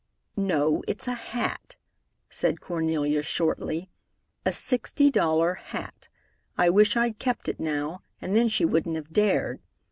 "No, it's a hat," said Cornelia shortly. "A sixty dollar hat. I wish I'd kept it now, and then she wouldn't have dared.